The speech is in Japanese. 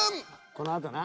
［このあとな］